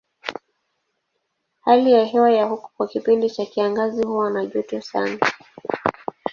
Hali ya hewa ya huko kwa kipindi cha kiangazi huwa na joto sana.